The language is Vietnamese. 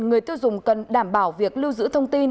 người tiêu dùng cần đảm bảo việc lưu giữ thông tin